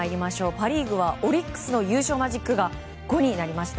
パ・リーグはオリックスの優勝マジックが５になりました。